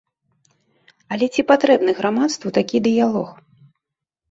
Але ці патрэбны грамадству такі дыялог?